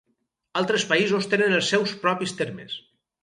Altres països tenen els seus propis termes.